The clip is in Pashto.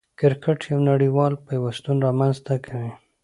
کرکټ یو نړۍوال پیوستون رامنځ ته کوي.